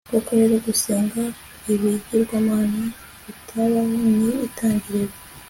koko rero, gusenga ibigirwamana bitabaho ni intangiriro